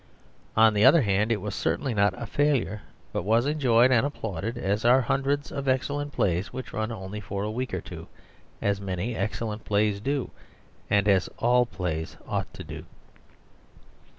On the other hand, it was certainly not a failure, but was enjoyed and applauded as are hundreds of excellent plays which run only for a week or two, as many excellent plays do, and as all plays ought to do.